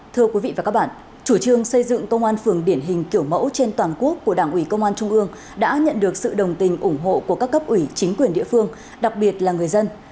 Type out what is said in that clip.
thưa quý vị và các bạn chủ trương xây dựng công an phường điển hình kiểu mẫu trên toàn quốc của đảng ủy công an trung ương đã nhận được sự đồng tình ủng hộ của các cấp ủy chính quyền địa phương đặc biệt là người dân